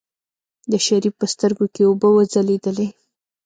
د شريف په سترګو کې اوبه وځلېدلې.